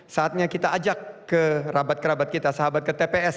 saatnya kita ajak ke rabat kerabat kita sahabat ke tps